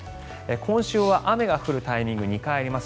今週は雨が降るタイミングが２回あります。